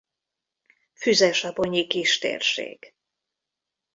Füzesabonyi kistérség